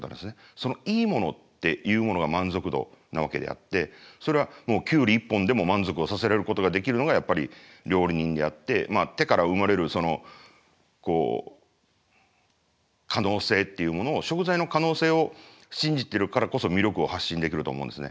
そのいいものっていうものが満足度なわけであってそれはキュウリ１本でも満足をさせられることができるのがやっぱり料理人であって手から生まれる可能性っていうものを食材の可能性を信じてるからこそ魅力を発信できると思うんですね。